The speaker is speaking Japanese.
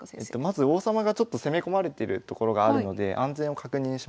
まず王様がちょっと攻め込まれてるところがあるので安全を確認しましょう。